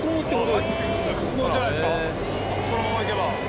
そのまま行けば。